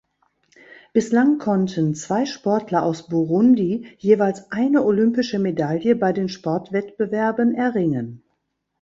Bislang konnten zwei Sportler aus Burundi jeweils eine olympische Medaille bei den Sportwettbewerben erringen.